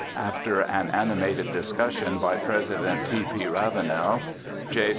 After an animated discussion by President T. P. Ravenel, J. St.